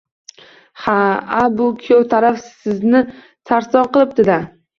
- Ha. A, bu kuyov taraf sizni sarson qilibdi-da.